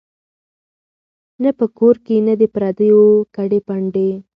نه په کور کي د پردیو کډي پنډي